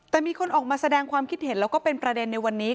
แต่มีคนออกมาแสดงความคิดเห็นแล้วก็เป็นประเด็นในวันนี้